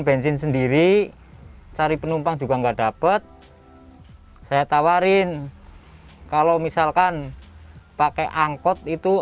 bensin sendiri cari penumpang juga enggak dapat saya tawarin kalau misalkan pakai angkot itu